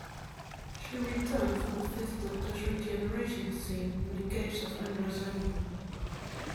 She returned for the Fifth Doctor's regeneration scene in The Caves of Androzani.